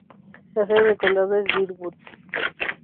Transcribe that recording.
La sede del condado es Deadwood.